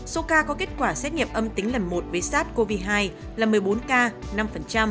số ca có kết quả xét nghiệm âm tính lần một với sars cov hai là một mươi bốn ca năm